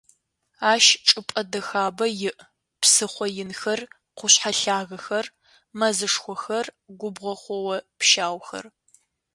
Ащ чӀыпӀэ дэхабэ иӀ: псыхъо инхэр, къушъхьэ лъагэхэр, мэзышхохэр, губгъо хъоо-пщаухэр.